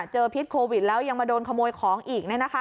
พิษโควิดแล้วยังมาโดนขโมยของอีก